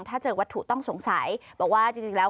ถ้าเจอวัตถุต้องสงสัยบอกว่าจริงแล้ว